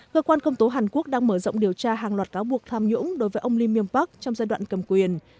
cơ quan công tố hàn quốc đang mở rộng điều tra hàng loạt cáo buộc tham nhũng đối với ông lee myum park trong giai đoạn cầm quyền